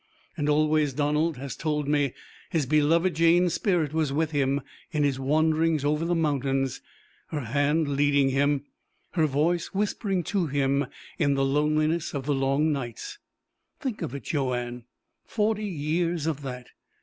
And always, Donald has told me, his beloved Jane's spirit was with him in his wanderings over the mountains, her hand leading him, her voice whispering to him in the loneliness of the long nights. Think of it, Joanne! Forty years of that!